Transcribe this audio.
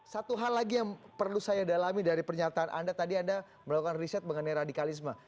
satu hal lagi yang perlu saya dalami dari pernyataan anda tadi anda melakukan riset mengenai radikalisme